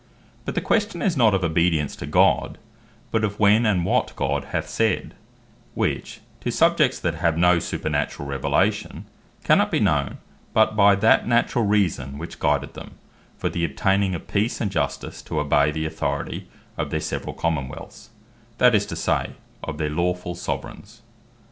But the question is not of obedience to God, but of When, and What God hath said; which to Subjects that have no supernaturall revelation, cannot be known, but by that naturall reason, which guided them, for the obtaining of Peace and Justice, to obey the authority of their severall Common wealths; that is to say, of their lawfull Soveraigns.